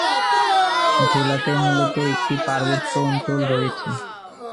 জেলাতে মূলত একটি পার্বত্য অঞ্চল রয়েছে।